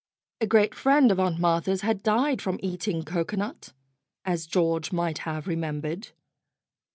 A great friend of Aunt Martha's had died from eating cocoanut, as George might have remem bered.